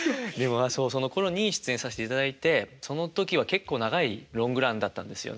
そのころに出演させていただいてその時は結構長いロングランだったんですよね。